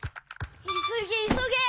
いそげいそげ！